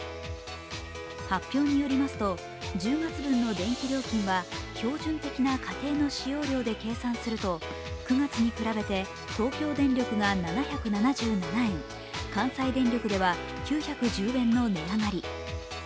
発表によりますと、１０月分の電気料金は標準的な家庭の使用量で計算すると９月に比べて東京電力が７７７円、関西電力では９１０円の値上がり。